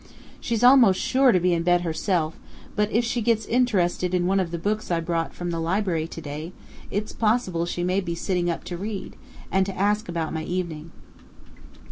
She's almost sure to be in bed herself, but if she gets interested in one of the books I brought from the library to day, it's possible she may be sitting up to read, and to ask about my evening.